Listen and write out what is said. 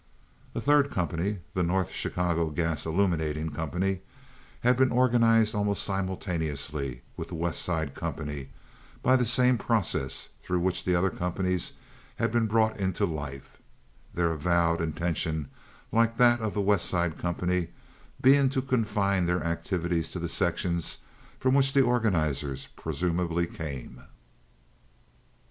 A third company, the North Chicago Gas Illuminating Company, had been organized almost simultaneously with the West Side company by the same process through which the other companies had been brought into life—their avowed intention, like that of the West Side company, being to confine their activities to the sections from which the organizers presumably came.